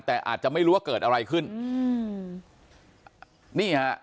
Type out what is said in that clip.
แต่อาจจะไม่รู้ว่าเกิดอะไรขึ้นอืมนี่ฮะ